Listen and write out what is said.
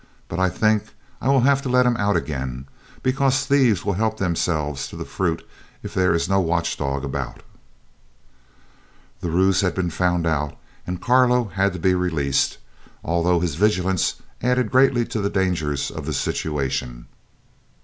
But I think I will have to let him out again, because thieves will help themselves to the fruit if there is no watch dog about." The ruse had been found out and Carlo had to be released, although his vigilance added greatly to the dangers of the situation.